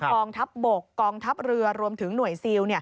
กองทัพบกกองทัพเรือรวมถึงหน่วยซิล